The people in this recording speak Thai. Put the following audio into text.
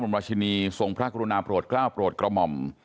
พระมุมราชินีทรงพระครุนาปรวจกล้าวปรวจกระหม่อม